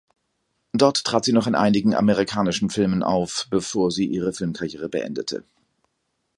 Dort trat sie noch in einigen amerikanischen Filmen auf, bevor sie ihre Filmkarriere beendete.